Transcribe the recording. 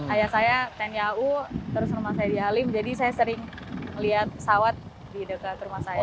ayah saya tni au terus rumah saya di halim jadi saya sering melihat pesawat di dekat rumah saya